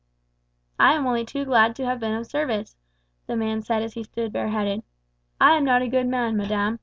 "I am only too glad to have been of service," the man said as he stood bareheaded. "I am not a good man, madame.